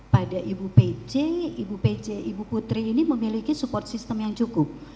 pada ibu pece ibu pece ibu putri ini memiliki support system yang cukup